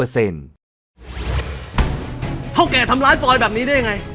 เถ้าแกทำลายปลอยแบบนี้ได้ไง